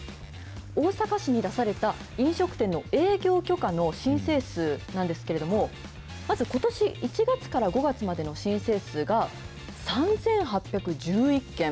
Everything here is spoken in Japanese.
大阪市に出された飲食店の営業許可の申請数なんですけれども、まずことし１月から５月までの申請数が３８１１件。